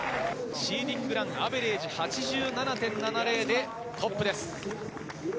シーディングラン、アベレージ８７．７０でトップです。